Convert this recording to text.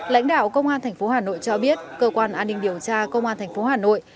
lãnh đạo công an tp hà nội cho biết cơ quan an ninh điều tra công an thành phố hà nội